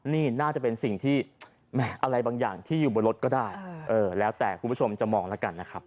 นี่น่าจะเป็นสิ่งที่อะไรบางอย่างที่อยู่บนรถก็ได้แล้วแต่คุณผู้ชมจะมองแล้วกันนะครับ